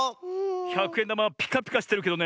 ひゃくえんだまはピカピカしてるけどね